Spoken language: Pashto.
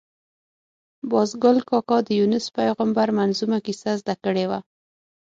باز ګل کاکا د یونس پېغمبر منظمومه کیسه زده کړې وه.